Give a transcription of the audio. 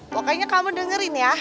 pokoknya kamu dengerin ya